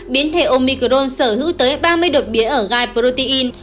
biến thể omicrone sở hữu tới ba mươi đột biến ở gai protein